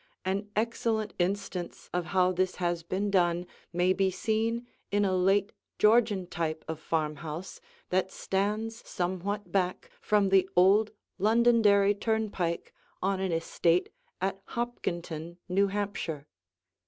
An excellent instance of how this has been done may be seen in a late Georgian type of farmhouse that stands somewhat back from the old Londonderry turnpike on an estate at Hopkinton, New Hampshire.